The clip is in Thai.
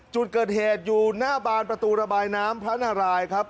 จุดเกิดเหตุอยู่หน้าบานประตูระบายน้ำพระนารายครับ